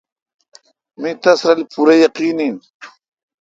می تس رل پورہ یقین این۔